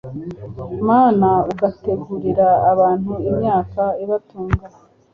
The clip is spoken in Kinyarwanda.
mana ugategurira abantu imyaka ibatunga